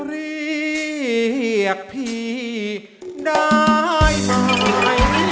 เรียกพี่ได้พาย